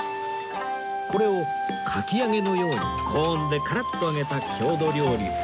これをかき揚げのように高温でカラッと揚げた郷土料理スヌイの天ぷら